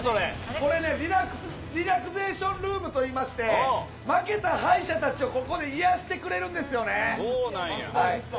これね、リラクゼーションルームといいまして、負けた敗者たちをここで癒やしてくれるんですそうなんや。